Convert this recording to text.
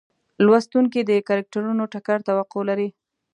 لوستونکي د کرکټرونو ټکر توقع لري.